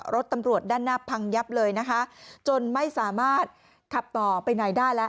รถตำรวจด้านหน้าพังยับเลยนะคะจนไม่สามารถขับต่อไปไหนได้แล้ว